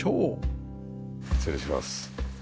失礼します。